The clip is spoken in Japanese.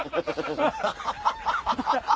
ハハハハ！